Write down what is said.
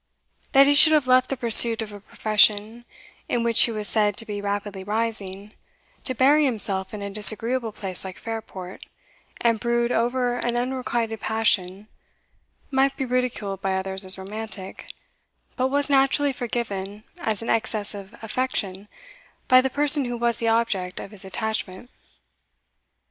That he should have left the pursuit of a profession in which he was said to be rapidly rising, to bury himself in a disagreeable place like Fairport, and brood over an unrequited passion, might be ridiculed by others as romantic, but was naturally forgiven as an excess of affection by the person who was the object of his attachment.